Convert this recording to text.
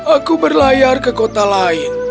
aku berlayar ke kota lain